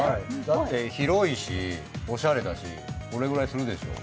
だって、広いし、おしゃれだし、これぐらいするでしょう。